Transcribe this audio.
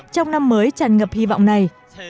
trong năm mới tràn ngập hy vọng này